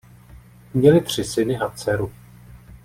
Měli tři syny a dceru.